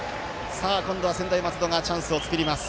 今度は専大松戸がチャンスを作ります。